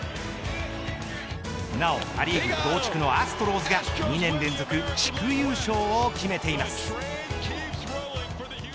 なおア・リーグ同地区のアストロズが２年連続地区優勝を決めています。